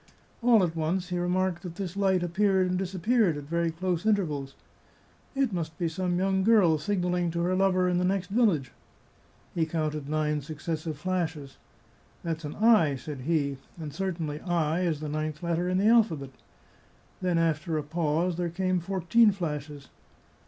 All at once he remarked that this light appeared and disappeared at very close intervals. " It must be some young girl sig nalling to her lover in the next village." He counted nine successive flashes. " That's an * I,' " said he, " and certainly * I ' is the ninth letter in the alphabet." Then, after a pause, there came fourteen flashes.